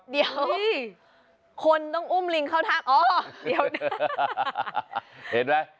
เดี๋ยวคนต้องอุ่มลิงเข้าถ้ำอ๋อเดี๋ยว